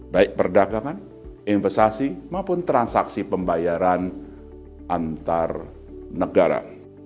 baik perdagangan investasi maupun transaksi pembayaran antar negara